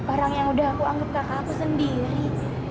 barang yang udah aku anggap kakak aku sendiri